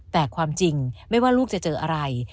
แต่ความจริงไม่ว่าลูกจะเจออะไร